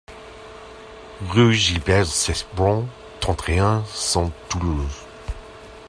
Rue Gilbert Cesbron, trente et un, cent Toulouse